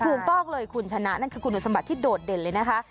ถูกต้องเลยคุณชนะนั่นคือคุณสมบัติที่โดดเด่นเลยนะคะ